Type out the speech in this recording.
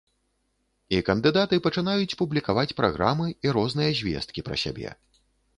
І кандыдаты пачынаюць публікаваць праграмы і розныя звесткі пра сябе.